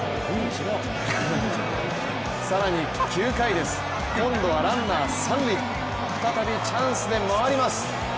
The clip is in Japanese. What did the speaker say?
更に９回です、今度はランナー三塁再びチャンスで回ります。